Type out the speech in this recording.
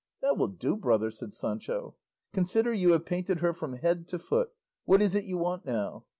"That will do, brother," said Sancho; "consider you have painted her from head to foot; what is it you want now?